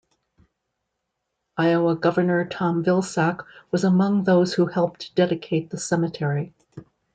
Iowa Governor Tom Vilsack was among those who helped dedicate the cemetery.